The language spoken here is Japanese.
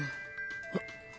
あっ。